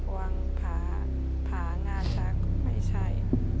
วังผาผางาช้างก็ไม่ใช่